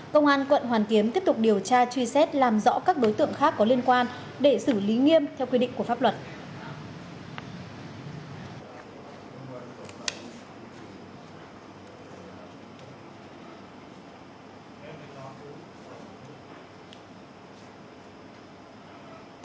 công an quận hoàn kiếm tiếp tục điều tra truy xét làm rõ các đối tượng khác có liên quan để xử lý nghiêm theo quy định của pháp luật